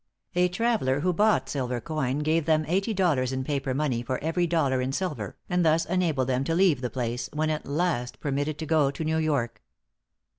A traveller who bought silver coin, gave them eighty dollars in paper money for every dollar in silver, and thus enabled them to leave the place, when at last permitted to go to New York.